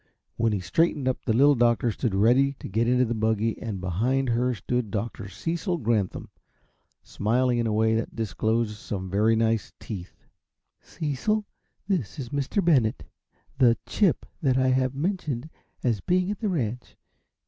When he straightened up the Little Doctor stood ready to get into the buggy, and behind her stood Dr. Cecil Granthum, smiling in a way that disclosed some very nice teeth. "Cecil, this is Mr. Bennett the 'Chip' that I have mentioned as being at the ranch.